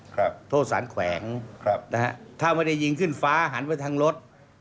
โทษสารแขวงครับนะฮะถ้าไม่ได้ยิงขึ้นฟ้าหันไปทางรถ